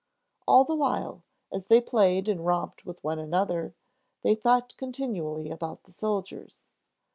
All the while, as they played and romped with one another, they thought continually about the soldiers.